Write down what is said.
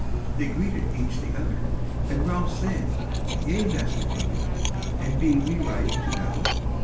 They greeted each the other, and Ralph said: "Yea, master Clement, and be we riding to battle?"